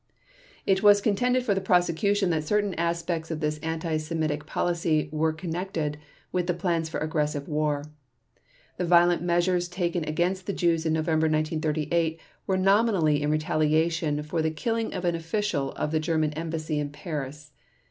It was contended for the Prosecution that certain aspects of this anti Semitic policy were connected with the plans for aggressive war. The violent measures taken against the Jews in November 1938 were nominally in retaliation for the killing of an official of the German Embassy in Paris.